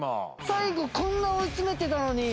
最後こんな追い詰めてたのに。